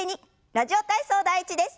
「ラジオ体操第１」です。